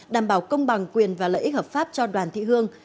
đảm bảo công bằng quyền và lợi ích hợp pháp cho đoàn thị hương